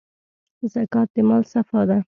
زکات د مال صفا ده.